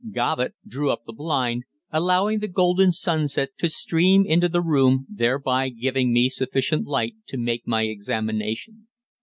Govitt drew up the blind, allowing the golden sunset to stream into the room, thereby giving me sufficient light to make my examination.